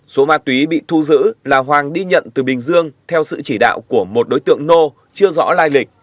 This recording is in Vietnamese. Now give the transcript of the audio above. số ma túy bị thu giữ là hoàng đi nhận từ bình dương theo sự chỉ đạo của một đối tượng nô chưa rõ lai lịch